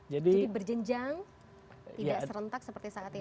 jadi berjenjang tidak serentak seperti saat ini